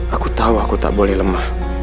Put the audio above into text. aku tahu aku tak boleh lemah